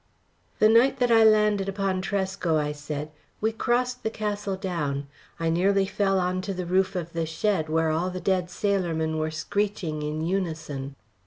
"The night that I landed upon Tresco," I said, "we crossed the Castle Down, I nearly fell on to the roof of the shed, where all the dead sailormen were screeching in unison."